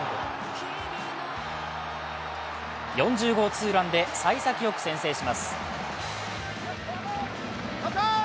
４０号ツーランでさい先よく先制します。